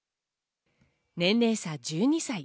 年齢差１２歳。